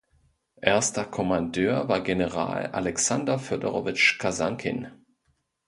Erster Kommandeur war General Alexander Fjodorowitsch Kasankin.